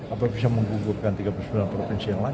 atau bisa menggugurkan tiga puluh sembilan provinsi yang lain